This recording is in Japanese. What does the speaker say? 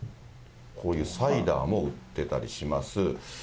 こういうサイダーも売ってたりします。